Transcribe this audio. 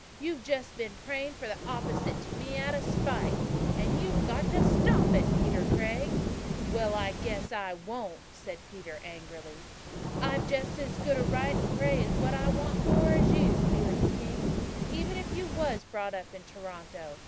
"You've just been praying for the opposite to me out of spite. And you've got to stop it, Peter Craig." "Well, I just guess I won't," said Peter angrily. "I've just as good a right to pray for what I want as you, Felix King, even if you was brought up in Toronto.